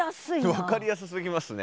分かりやすすぎますね。